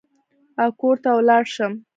او کور ته ولاړ شم.